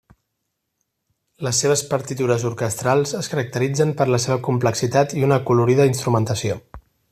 Les seves partitures orquestrals es caracteritzen per la seva complexitat i una acolorida instrumentació.